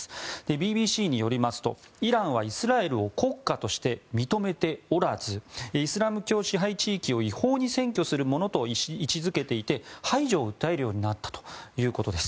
ＢＢＣによりますとイランはイスラエルを国家として認めておらずイスラム教支配地域を違法に占拠する者と位置づけていて排除を訴えるようになったということです。